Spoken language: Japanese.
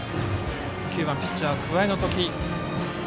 ９番ピッチャー、桑江の時。